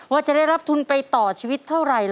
ว่าจะได้รับทุนไปต่อชีวิตเท่าไหร่